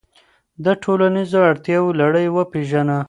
د ټولنیزو اړتیاوو لړۍ وپیژنه.